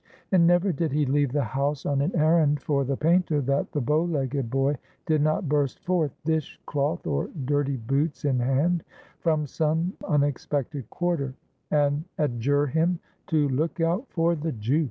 And never did he leave the house on an errand for the painter that the bow legged boy did not burst forth, dish cloth or dirty boots in hand, from some unexpected quarter, and adjure him to "look out for the jook."